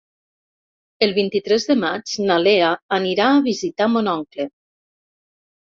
El vint-i-tres de maig na Lea anirà a visitar mon oncle.